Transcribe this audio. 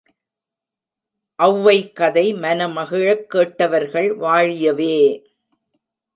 ஒளவைகதை மனமகிழக் கேட்டவர்கள் வாழியவே!